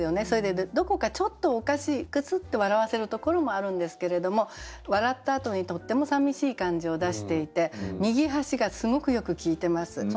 それでいてどこかちょっとおかしいクスッて笑わせるところもあるんですけれども笑ったあとにとってもさみしい感じを出していて「右端」がすごくよく効いてます。